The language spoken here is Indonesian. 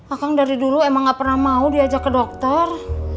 akan dari dulu emang gak pernah mau diajak ke dokter